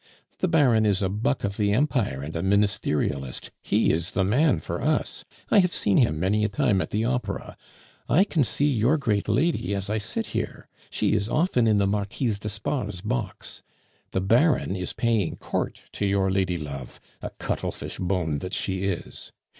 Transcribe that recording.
The Baron is a buck of the Empire and a Ministerialist; he is the man for us; I have seen him many a time at the Opera. I can see your great lady as I sit here; she is often in the Marquise d'Espard's box. The Baron is paying court to your lady love, a cuttlefish bone that she is.